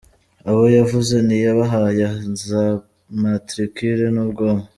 Abo yavuze ntiyabahaye za matricule n’ubwoko.